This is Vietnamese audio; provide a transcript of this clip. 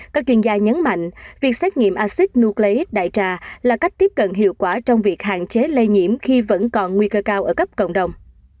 các chuyên gia nhấn mạnh việc xét nghiệm acid nuclei đại trà là cách tiếp cận hiệu quả trong việc hạn chế lây nhiễm khi vẫn còn nguy cơ cao ở cấp cộng đồng